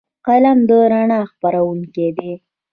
قلم د رڼا خپروونکی دی